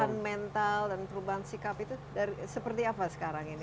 dan mental dan perubahan sikap itu seperti apa sekarang ini